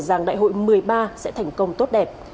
rằng đại hội một mươi ba sẽ thành công tốt đẹp